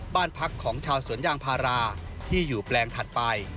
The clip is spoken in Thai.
บ้านพักของชาวสวนยางพาราที่อยู่แปลงถัดไป